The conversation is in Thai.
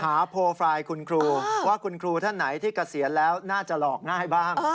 โปรไฟล์คุณครูว่าคุณครูท่านไหนที่เกษียณแล้วน่าจะหลอกง่ายบ้าง